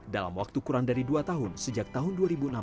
dalam waktu kurang dari dua tahun sejak tahun dua ribu enam belas